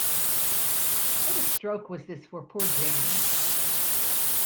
What a stroke was this for poor Jane!